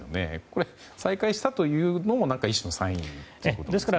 これ、再開したというのも一種のサインということですか。